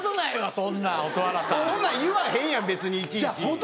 そんなん言わへんやん別にいちいち。